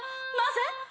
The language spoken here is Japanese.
なぜ？